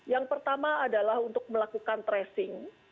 yang pertama adalah untuk melakukan tracing